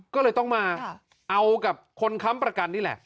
ก็เลยต้องมาเอากับคนค้ำประกันนี่แหละ